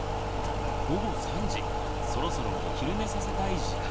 午後３時そろそろお昼寝させたい時間。